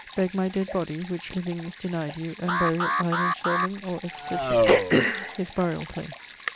'Beg my dead body, which living is denyed you; and bury it either in Sherburne or Exeter church.' <_His burial place.